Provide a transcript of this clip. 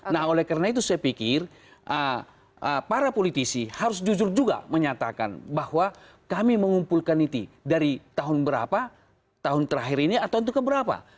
nah oleh karena itu saya pikir para politisi harus jujur juga menyatakan bahwa kami mengumpulkan itu dari tahun berapa tahun terakhir ini atau untuk keberapa